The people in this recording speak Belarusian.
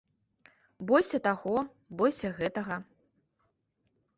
Бойся таго, бойся гэтага.